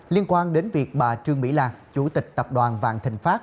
liên quan đến việc bà trương mỹ lan chủ tịch tập đoàn vạn thịnh pháp